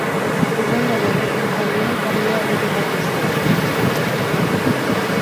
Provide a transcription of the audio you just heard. Hurrengo legegintzaldian kargua errepikatu zuen.